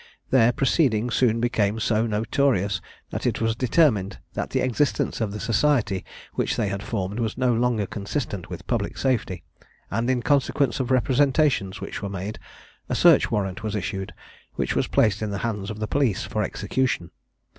Their proceeding soon became so notorious, that it was determined that the existence of the society which they had formed was no longer consistent with public safety; and in consequence of representations which were made, a search warrant was issued, which was placed in the hands of the police for execution.